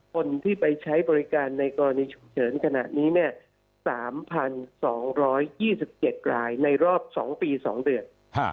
คนที่ไปใช้บริการในกรณีฉุกเฉินขณะนี้๓๒๒๗รายในรอบ๒ปี๒เดือน